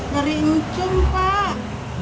dari nguncung pak